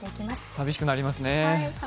寂しくなりますね。